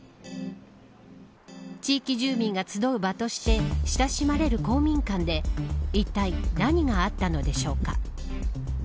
地域住民が集う場として親しまれる公民館でいったい何があったのでしょうか。